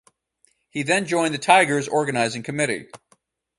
He then joined the Tigers organising committee.